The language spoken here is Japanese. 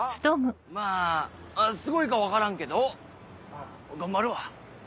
まぁすごいか分からんけど頑張るわ。